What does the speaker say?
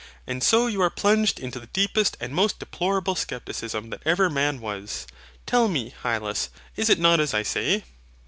And so you are plunged into the deepest and most deplorable scepticism that ever man was. Tell me, Hylas, is it not as I say?